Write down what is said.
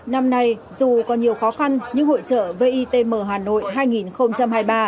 năm nay dù có nhiều khó khăn nhưng hội trợ vitm hà nội hai nghìn hai mươi ba